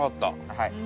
はい。